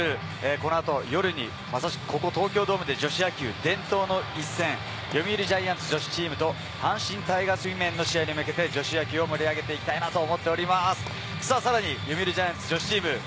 このあと夜にここ東京ドームで女子野球伝統の一戦、読売ジャイアンツ女子チームと阪神タイガースＷｏｍｅｎの試合に向けて、女子野球を盛り上げていきたいと思っています。